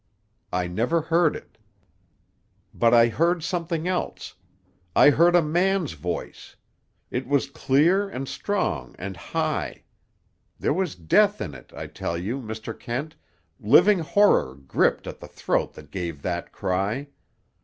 I never heard it. "But I heard something else. I heard a man's voice. It was clear and strong and high. There was death in it, I tell you, Mr. Kent, living horror gripped at the throat that gave that cry.